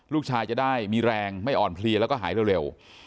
ลูกชายจะได้มีแรงไม่อ่อนเพลียแล้วก็หายเร็วเร็ว